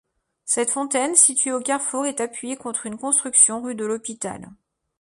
Cette fontaine située au carrefour est appuyée contre une construction rue de l'Hôpital.